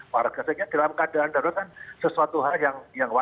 para geseknya dalam keadaan darurat kan sesuatu hal yang wajar